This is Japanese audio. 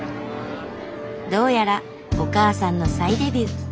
どうやらお母さんの再デビュー